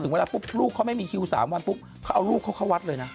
ถึงแม่เขาไม่มีคิว๓วันคุกเขาก็เอารูปเขาเข้าวัดด้วยนะ